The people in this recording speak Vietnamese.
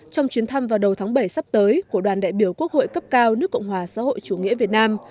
trong chuyến thăm vào đầu tháng bảy sắp tới của đoàn đại biểu quốc hội cấp cao nước cộng hòa xã hội chủ nghĩa việt nam